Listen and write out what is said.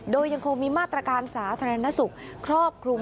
โดยยังคงมีมาตรการสาธารณสุขครอบคลุม